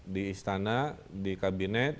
di istana di kabinet